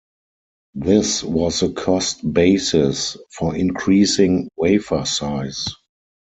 This was the cost basis for increasing wafer size.